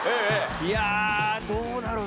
いやあどうだろうな？